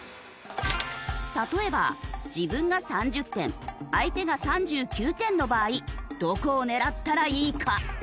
例えば自分が３０点相手が３９点の場合どこを狙ったらいいか？